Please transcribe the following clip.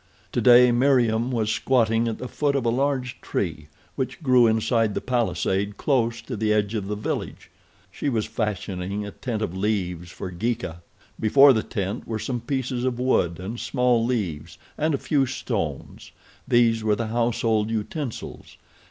Today Meriem was squatting at the foot of a large tree which grew inside the palisade close to the edge of the village. She was fashioning a tent of leaves for Geeka. Before the tent were some pieces of wood and small leaves and a few stones. These were the household utensils.